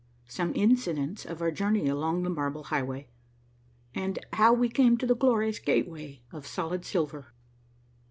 — SOME INCIDENTS OF OUR JOURNEY ALONG THE MARBLE HIGHWAY, AND HOW WE CAME TO THE GLORIOUS GATEWAY OF SOLID SILVER.